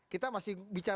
kita masih bicara